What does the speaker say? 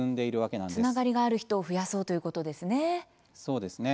つながりがある人を増やそうということですね。